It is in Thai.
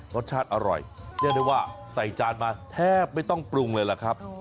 รสชาติอร่อยเรียกได้ว่าใส่จานมาแทบไม่ต้องปรุงเลยล่ะครับ